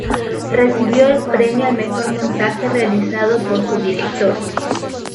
Recibió el premio al mejor montaje, realizado por su director.